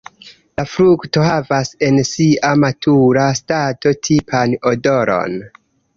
La frukto havas en sia matura stato tipan odoron.